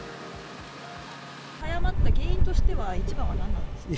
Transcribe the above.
早まった原因としては、一番は何なんですか？